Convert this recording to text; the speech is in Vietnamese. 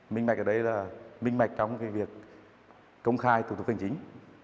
minh bạch ở đây là minh bạch trong việc công khai thủ tục hành chính